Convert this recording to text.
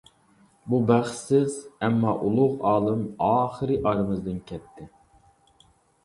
بۇ بەختسىز، ئەمما ئۇلۇغ ئالىم ئاخىرى ئارىمىزدىن كەتتى.